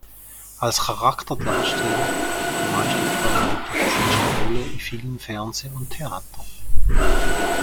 Als Charakterdarsteller meisterte er die verschiedensten Rollen in Film, Fernsehen und Theater.